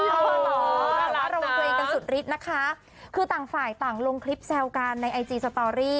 ระวังตัวเองกันสุดฤทธิ์นะคะคือต่างฝ่ายต่างลงคลิปแซวกันในไอจีสตอรี่